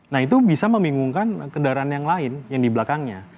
nah itu bisa membingungkan kendaraan yang lain yang di belakangnya